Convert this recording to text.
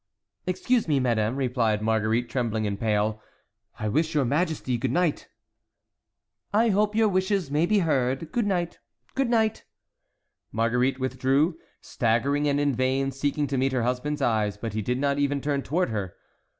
"Excuse me, madame," replied Marguerite, trembling and pale; "I wish your majesty good night." "I hope your wishes may be heard. Good night—good night!" Marguerite withdrew, staggering, and in vain seeking to meet her husband's eyes, but he did not even turn toward her.